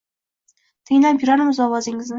Tinglab yurarmizu ovozingizni